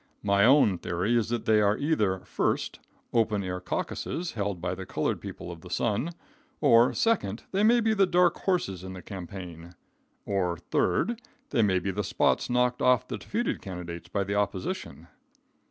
My own theory is they are either, first, open air caucuses held by the colored people of the sun; or, second, they may be the dark horses in the campaign; or, third, they may be the spots knocked off the defeated candidate by the opposition.